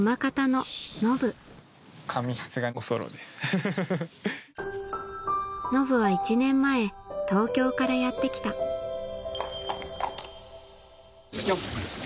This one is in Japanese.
のぶは１年前東京からやって来た行くよ。